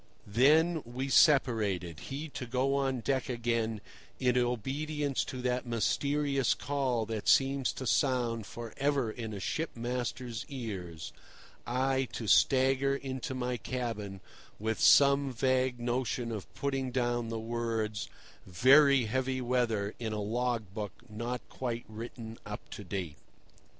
Then we separated, he to go on deck again, in obedience to that mysterious call that seems to sound for ever in a shipmaster's ears, I to stagger into my cabin with some vague notion of putting down the words "Very heavy weather" in a log book not quite written up to date.